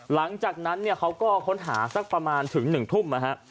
หลังจากนั้นเขาก็ค้นหาสักประมาณถึง๑ทุ่ม